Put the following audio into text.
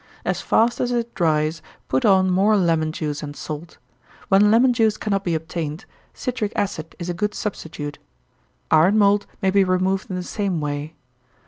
As fast as it dries, put on more lemon juice and salt. When lemon juice cannot be obtained, citric acid is a good substitute. Iron mould may be removed in the same way.